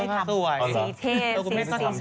ไม่ทำสีที่เท่